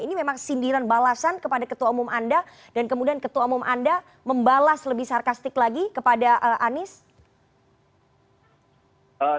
ini memang sindiran balasan kepada ketua umum anda dan kemudian ketua umum anda membalas lebih sarkastik lagi kepada anies